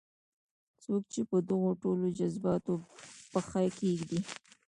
څوک چې په دغو ټولو جذباتو پښه کېږدي.